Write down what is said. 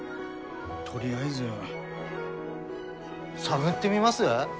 とりあえず探ってみます？